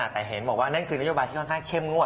แต่เห็นบอกว่านั่นคือนโยบายที่ค่อนข้างเข้มงวด